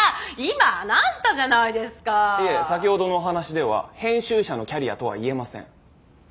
いえ先ほどのお話では編集者のキャリアとは言えません。